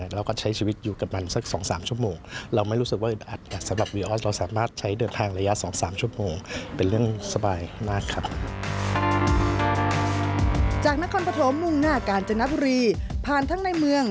เราก็ใช้ชีวิตอยู่กับมันสัก๒๓ชั่วโมง